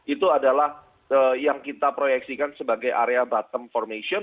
itu adalah yang kita proyeksikan sebagai area bottom formation